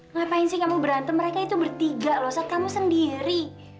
ngapain sih kamu berantem mereka itu bertiga loh saat kamu sendiri